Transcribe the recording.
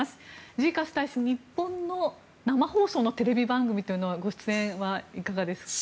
ジーカス大使、日本の生放送のテレビ番組というのはご出演はいかがですか？